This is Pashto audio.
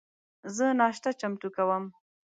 زه ناشته چمتو کوم